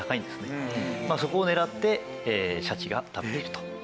そこを狙ってシャチが食べていると。